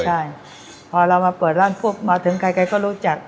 ใช่พอเรามาเปิดร้านปุ๊บมาถึงใครก็รู้จัก